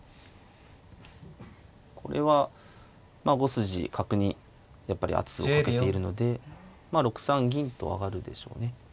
これは５筋角にやっぱり圧をかけているので６三銀と上がるでしょうね。